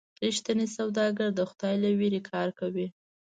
رښتینی سوداګر د خدای له ویرې کار کوي.